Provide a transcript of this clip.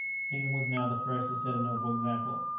England was now the first to set a noble example.